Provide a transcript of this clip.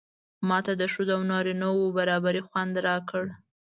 ماته د ښځو او نارینه و برابري خوند راکړ.